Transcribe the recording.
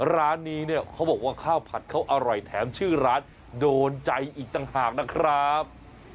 ร้านนี้เนี่ยเขาบอกว่าข้าวผัดเขาอร่อยแถมชื่อร้านโดนใจอีกต่างหากนะครับ